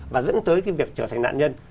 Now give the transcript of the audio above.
và dẫn tới việc trở thành nạn nhân